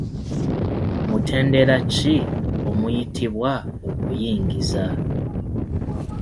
Mutendera ki omuyitibwa okuyingiza?